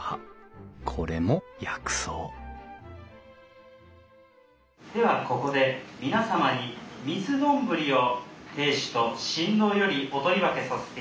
これも薬草ではここで皆様に三ツ丼を亭主と新郎よりお取り分けさせていただきます。